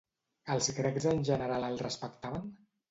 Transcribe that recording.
Els grecs en general el respectaven?